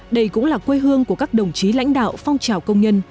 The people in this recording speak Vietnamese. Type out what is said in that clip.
đây cũng là quê hương của các đồng chí lãnh đạo phong trào công nhân